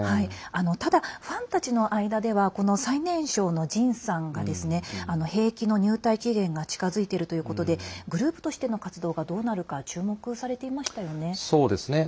ただ、ファンたちの間では最年長のＪＩＮさんが兵役の入隊期限が近づいているということでグループとしての活動がどうなるか注目されていましたよね。